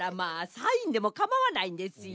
サインでもかまわないんですよ。